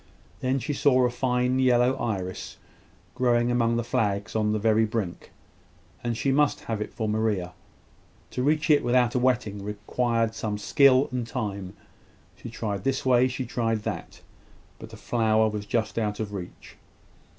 Then she saw a fine yellow iris, growing among the flags on the very brink, and she must have it for Maria. To reach it without a wetting required some skill and time. She tried this way she tried that; but the flower was just out of reach.